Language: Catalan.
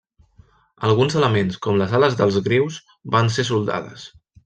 Alguns elements, com les ales dels grius, van ser soldades.